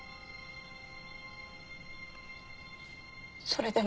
それでも。